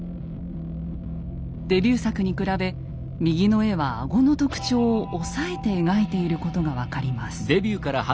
デビュー作に比べ右の絵は顎の特徴を抑えて描いていることが分かります。